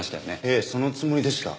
ええそのつもりでした。